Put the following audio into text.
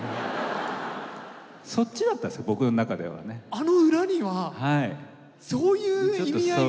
あの裏にはそういう意味合いが！